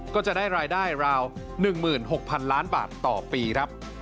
ก็จะได้รายได้ราว๑๖๐๐๐ล้านบาทต่อปีครับ